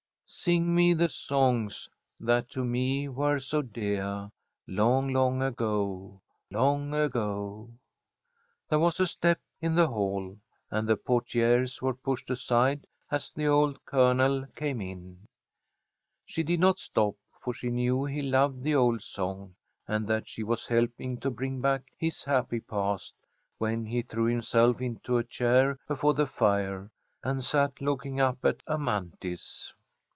"'Sing me the songs that to me were so deah, Long, long ago, long ago!'" There was a step in the hall, and the portières were pushed aside as the old Colonel came in. She did not stop, for she knew he loved the old song, and that she was helping to bring back his happy past, when he threw himself into a chair before the fire, and sat looking up at Amanthis.